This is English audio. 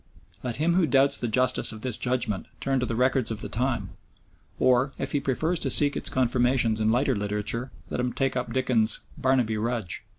Let him who doubts the justice of this judgment turn to the records of the time, or, if he prefers to seek its confirmation in lighter literature, let him take up Dickens's "Barnaby Rudge."